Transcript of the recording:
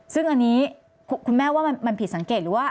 ซึ่งอันนี้คุณแม่ว่ามันผิดสังเกต